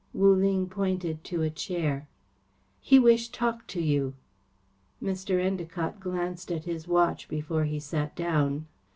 Wu Ling pointed to a chair. "He wish talk to you." Mr. Endacott glanced at his watch before he sat down.